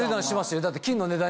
よだって金の値段